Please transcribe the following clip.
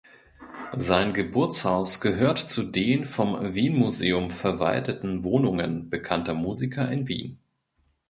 Sein Geburtshaus gehört zu den vom Wien Museum verwalteten Wohnungen bekannter Musiker in Wien.